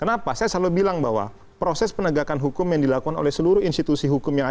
kenapa saya selalu bilang bahwa proses penegakan hukum yang dilakukan oleh seluruh institusi hukum yang ada